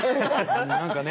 何かね